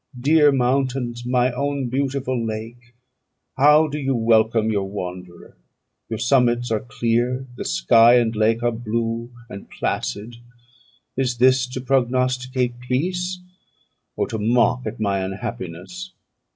"Dear mountains! my own beautiful lake! how do you welcome your wanderer? Your summits are clear; the sky and lake are blue and placid. Is this to prognosticate peace, or to mock at my unhappiness?"